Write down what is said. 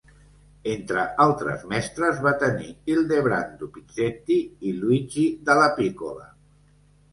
Entre altres mestres va tenir Ildebrando Pizzetti i Luigi Dallapiccola.